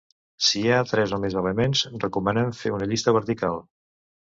Si hi ha tres o més elements, recomanem fer una llista vertical.